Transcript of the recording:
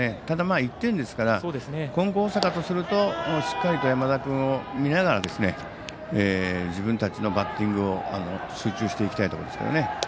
ただ、１点ですから金光大阪とするとしっかりと山田君を見ながら自分たちのバッティングを集中していきたいところですね。